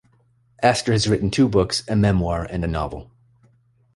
Astor has written two books, a memoir and a novel.